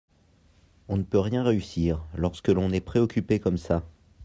On ne peut rien réussir lorsque l'on est préoccupé comme ça.